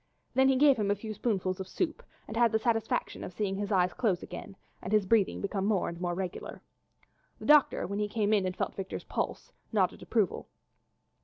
Then he gave him a few spoonfuls of soup and had the satisfaction of seeing his eyes close again and his breathing become more and more regular. The doctor, when he came in and felt Victor's pulse, nodded approval.